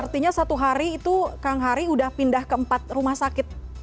artinya satu hari itu kang hari udah pindah ke empat rumah sakit